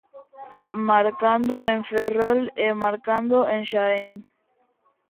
Marcando en Ferrol e marcando en Xaén.